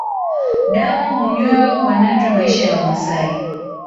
Damu hunywewa kwa nadra Maisha ya Wamasai